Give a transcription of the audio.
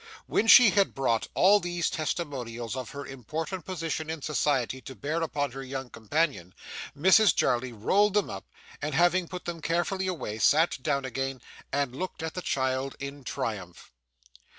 When she had brought all these testimonials of her important position in society to bear upon her young companion, Mrs Jarley rolled them up, and having put them carefully away, sat down again, and looked at the child in triumph.